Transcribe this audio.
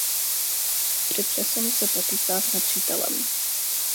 Při přesunu se potýká s nepřítelem.